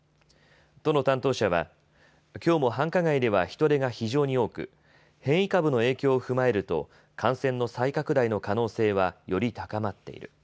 都の担当者はきょうも繁華街では人出が非常に多く変異株の影響を踏まえると感染の再拡大の可能性はより高まっている。